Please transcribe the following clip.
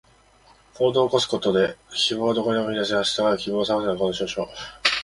行動を起こすことで、希望はどこにでも見いだせます。だから希望を探すのではなく、行動しましょう。